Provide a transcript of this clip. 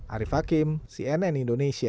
arif hakim cnn indonesia